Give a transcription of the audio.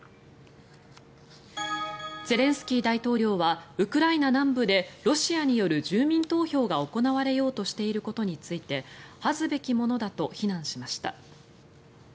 ゼレンスキー大統領はウクライナ南部でロシアによる住民投票が行われようとしていることについて恥ずべきものだと非難しました。